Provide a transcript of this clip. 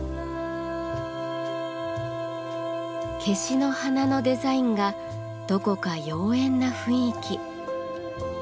けしの花のデザインがどこか妖艶な雰囲気。